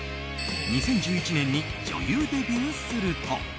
２０１１年に女優デビューすると。